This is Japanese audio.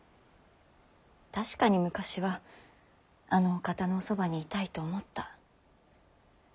確かに昔はあのお方のおそばにいたいと思った。